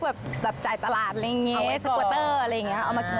แบบจ่ายตลาดอะไรอย่างนี้